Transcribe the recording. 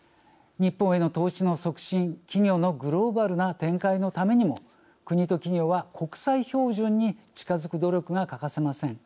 日本への投資の促進、企業のグローバルな展開のためにも国と企業は国際標準に近づく努力が欠かせません。